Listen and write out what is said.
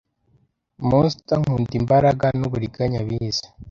monster nkunda imbaraga nuburiganya bize